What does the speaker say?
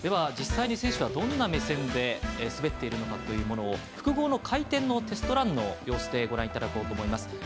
実際に選手はどんな目線で滑っているかを複合の回転のテストランの様子でご覧いただきたいと思います。